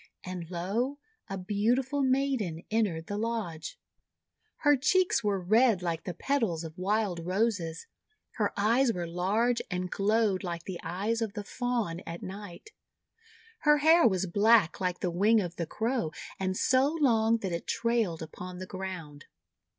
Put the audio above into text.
And, lo, a beautiful maiden entered the lodge. Her cheeks were red like the petals of Wild Roses. Her eyes were large, and glowed like the 124 THE WONDER GARDEN eyes of the Fawn at night. Her hair was black like the wing of the Crow, and so long that it trailed upon the ground.